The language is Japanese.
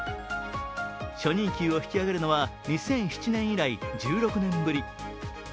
初任給を引き上げるのは、２００７年以来１６年ぶり。